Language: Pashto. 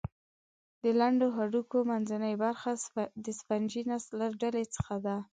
د لنډو هډوکو منځنۍ برخه د سفنجي نسج له ډلې څخه ده.